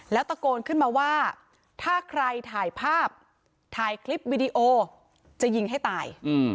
แล้วตะโกนขึ้นมาว่าถ้าใครถ่ายภาพถ่ายคลิปวิดีโอจะยิงให้ตาย